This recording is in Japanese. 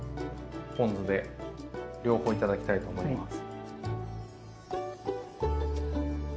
ポン酢で両方頂きたいと思います。